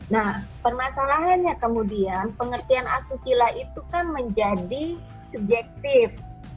nah permasalahannya kemudian pengertian asusila itu kan menjadi subjektif